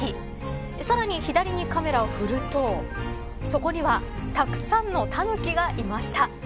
さらに左にカメラを振るとそこにはたくさんのタヌキがいました。